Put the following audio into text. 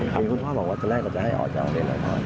คุณพ่อบอกว่าจะได้กับจะให้ออกจากเรียนหรือเปล่า